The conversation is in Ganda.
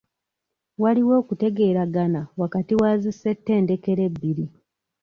Waliwo okutegeeragana wakati wa zi ssetendekero ebbiri.